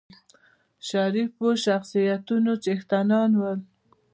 شریفو شخصیتونو څښتنان ول.